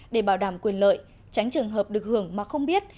để bảo đảm quyền lợi tránh trường hợp được hưởng mà không biết